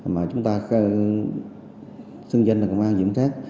mà chúng ta xưng danh là công an hay diện sát